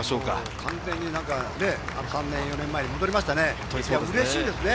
完全に３年、４年前に戻りましたね、嬉しいですね。